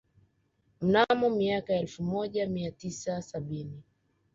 Mnamo miaka ya elfu moja mia tisa sabini